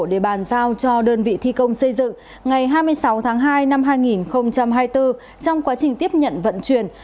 để bàn giao cho đơn vị thi công xây dựng ngày hai mươi sáu tháng hai năm hai nghìn hai mươi bốn trong quá trình tiếp nhận vận chuyển